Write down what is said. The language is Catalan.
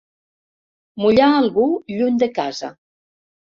Mullar algú lluny de casa.